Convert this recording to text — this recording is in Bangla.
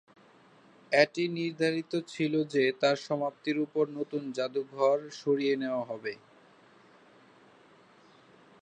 এটি নির্ধারিত ছিল যে তার সমাপ্তির উপর নতুন যাদুঘর সরিয়ে নেওয়া হবে।